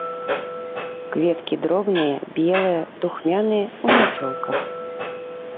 Кветкі дробныя, белыя, духмяныя, у мяцёлках.